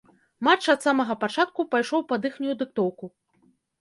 Матч ад самага пачатку пайшоў пад іхнюю дыктоўку.